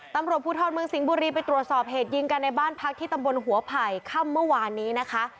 ตำรวจภูทรเมืองสิงห์บุรีไปตรวจสอบเหตุยิงกันในบ้านพักที่ตำบลหัวไผ่ค่ำเมื่อวานนี้นะคะ